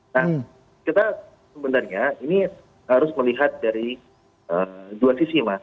nah kita sebenarnya ini harus melihat dari dua sisi mas